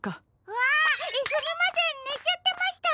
あっすみませんねちゃってました！